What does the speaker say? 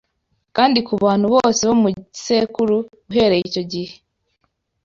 Kandi ku bantu bose bo mu bisekuru uhereye icyo gihe